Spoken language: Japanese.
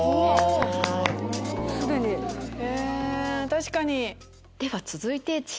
確かに。